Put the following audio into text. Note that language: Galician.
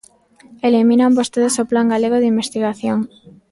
Eliminan vostedes o Plan galego de investigación.